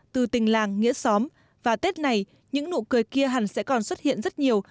từ tình làng nghĩa xóm và tết này những nụ cười kia hẳn sẽ còn xuất hiện rất nhiều